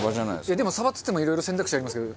でもサバっつってもいろいろ選択肢ありますけど。